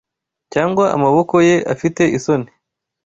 Cyangwa amaboko ye afite isoni